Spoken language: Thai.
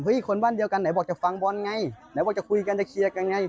คนบ้านเดียวกันไหนบอกจะฟังบอลไงไหนบอกจะคุยกันจะเคลียร์กันไง